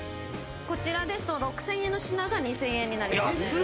こちらですと６０００円の品が２０００円になります。